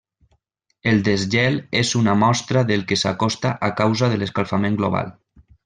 El desgel és una mostra del que s'acosta a causa de l'escalfament global.